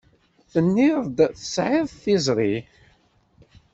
Tenniḍ-d tesɛiḍ tiẓri.